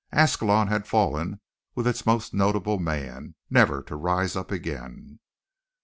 Ascalon had fallen with its most notable man, never to rise up again.